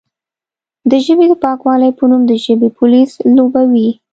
د ژبې د پاکوالې په نوم د ژبې پولیس لوبوي،